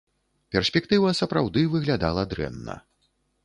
Перспектыва, сапраўды, выглядала дрэнна.